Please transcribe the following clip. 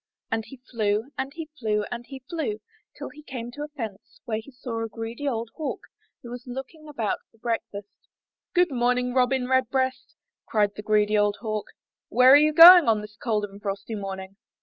And he flew, and he flew, and he flew, till he came to a fence where sat a greedy old Hawk who was looking about for breakfast. ''Good morning, Robin Redbreast," cried the greedy old Hawk, ''where are you going on this cold and frosty morning?"